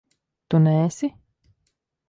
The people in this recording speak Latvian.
Tu neesi?